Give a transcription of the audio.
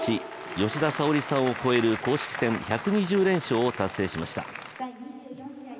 吉田沙保里さんを超える公式戦１２０連勝を達成しました。